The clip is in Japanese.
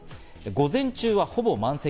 午前中はほぼ満席。